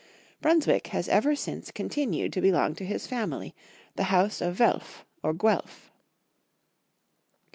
Bruns wick has ever since continued to belong to his fam ily, the house of Welf or Guelf.